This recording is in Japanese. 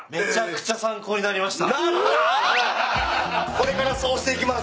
これからそうしていきます。